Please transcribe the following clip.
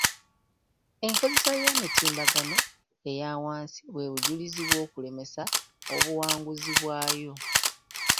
Enkozesa y'emitimbagano eyawansi bwe bujulizi bw'okulemesa obuwanguzi bwayo.